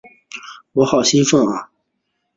我好兴奋啊！